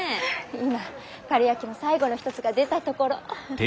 今かるやきも最後の一つが出たところ。